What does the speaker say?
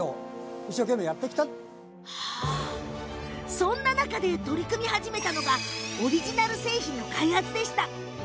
そんな中で取り組み始めたのがオリジナル製品の開発でした。